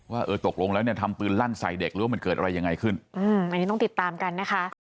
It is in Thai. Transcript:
เออตกลงแล้วเนี่ยทำปืนลั่นใส่เด็กหรือว่ามันเกิดอะไรยังไงขึ้นอืมอันนี้ต้องติดตามกันนะคะ